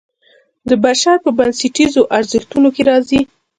د بشر په بنسټیزو ارزښتونو کې راځي.